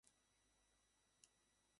তুমি এখন বাড়ির মালিক?